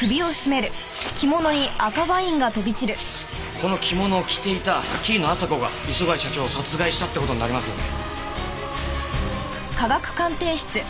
この着物を着ていた桐野朝子が磯貝社長を殺害したって事になりますよね。